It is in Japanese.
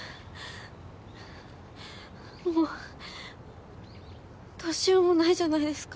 もうどうしようもないじゃないですか。